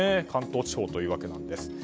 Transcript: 関東地方ということです。